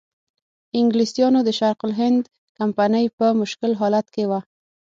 انګلیسانو د شرق الهند کمپنۍ په مشکل حالت کې وه.